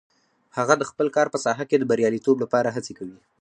هغه د خپل کار په ساحه کې د بریالیتوب لپاره هڅې کوي